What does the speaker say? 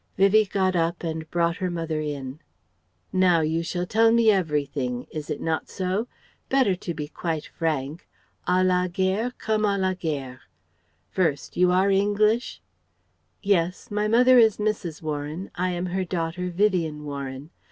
Vivie got up and brought her mother in. "Now you shall tell me everything is it not so? Better to be quite frank. À la guerre comme à la guerre. First, you are English?" "Yes. My mother is Mrs. Warren, I am her daughter, Vivien Warren.